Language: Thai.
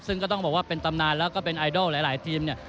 ซึ่งก็ต้องบอกว่าเป็นตำนานแล้วก็เป็นไอดอลหลายทีมเนี่ย